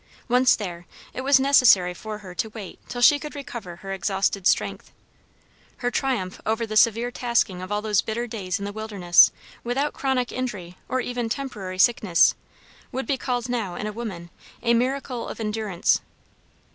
Once there, it was necessary for her to wait till she could recover her exhausted strength. Her triumph over the severe tasking of all those bitter days in the wilderness, without chronic injury, or even temporary sickness, would be called now, in a woman, a miracle of endurance.